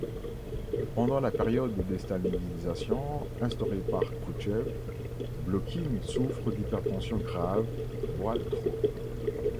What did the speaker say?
Pendant la période de déstalinisation instaurée par Kroutchev, Blokhine souffre d’hypertension grave, boit trop.